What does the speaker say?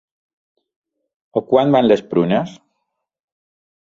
A quant van les prunes?